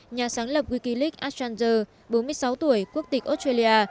nhà sáng lập wikileaks assange bốn mươi sáu tuổi quốc tịch australia